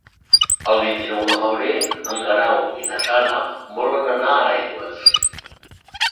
El vint-i-nou de febrer en Guerau i na Sara volen anar a Aigües.